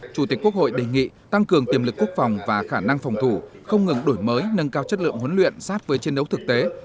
chủ tịch quốc hội đề nghị tăng cường tiềm lực quốc phòng và khả năng phòng thủ không ngừng đổi mới nâng cao chất lượng huấn luyện sát với chiến đấu thực tế